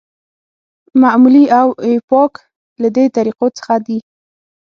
معمولي او ایوپاک له دې طریقو څخه دي.